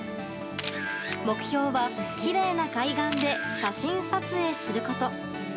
目標は、きれいな海岸で写真撮影すること。